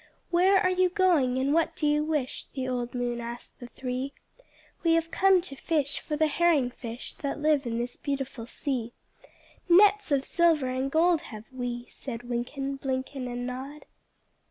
"Where are you going, and what do you wish?" The old moon asked the three. "We have come to fish for the herring fish That live in this beautiful sea; Nets of silver and gold have we," Said Wynken, Blynken, And Nod.